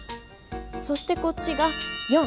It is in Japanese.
そしてこっちが４。